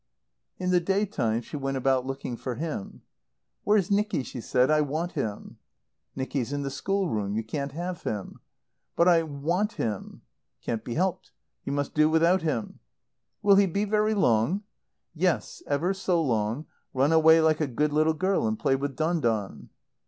In the day time she went about looking for him. "Where's Nicky?" she said. "I want him." "Nicky's in the schoolroom. You can't have him." "But I want him." "Can't be helped. You must do without him." "Will he be very long?" "Yes, ever so long. Run away like a good little girl and play with Don Don."